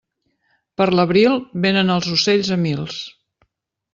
Per l'abril, vénen els ocells a mils.